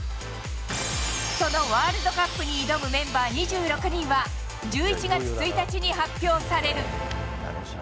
そのワールドカップに挑むメンバー２６人は、１１月１日に発表される。